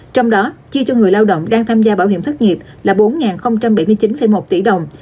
trong đó chi cho người lao động đang tham gia bảo hiểm thất nghiệp là bốn bảy mươi chín một tỷ đồng